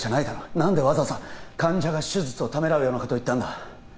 何でわざわざ患者が手術をためらうようなこと言ったんだ？